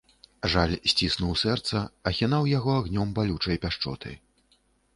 Жаль ціснуў сэрца, ахінаў яго агнём балючай пяшчоты.